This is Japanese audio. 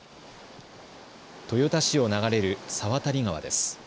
豊田市を流れる猿渡川です。